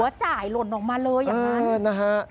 หัวจ่ายหล่นออกมาเลยอย่างนั้น